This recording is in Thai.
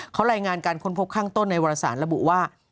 เขารายงานการค้นพบข้างต้นในวรสารระบุว่า